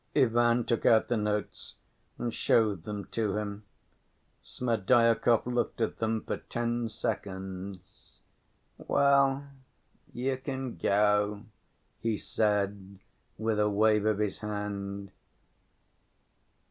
Ivan took out the notes and showed them to him. Smerdyakov looked at them for ten seconds. "Well, you can go," he said, with a wave of his hand.